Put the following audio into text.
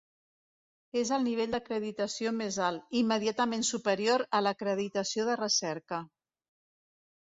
És el nivell d'acreditació més alt, immediatament superior a l'Acreditació de recerca.